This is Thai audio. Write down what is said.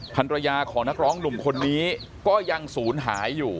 ภรรยาของนักร้องหนุ่มคนนี้ก็ยังศูนย์หายอยู่